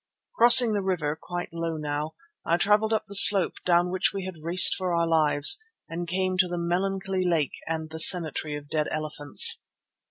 Crossing the river, quite low now, I travelled up the slope down which we raced for our lives and came to the melancholy lake and the cemetery of dead elephants.